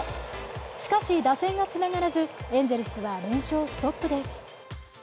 しかし打線がつながらずエンゼルスは連勝ストップです